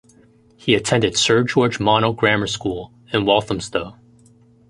He attended Sir George Monoux Grammar School in Walthamstow.